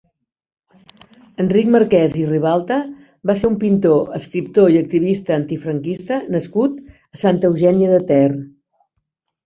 Enric Marquès i Ribalta va ser un pintor, escriptor i activista antifranquista nascut a Santa Eugènia de Ter.